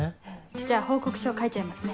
じゃあ報告書書いちゃいますね。